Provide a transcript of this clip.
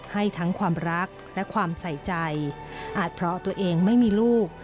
ให้ทั้งความรักและความใส่ใจอาจเพราะตัวเองไม่มีลูก